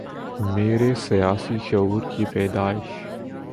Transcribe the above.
میرے سیاسی شعور کی پیدائش